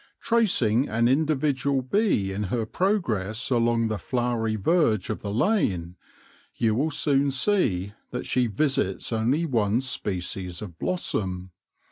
Tracing an individual bee in her progress along the flowery verge of the lane, you will soon see that she visits only one species of blossom.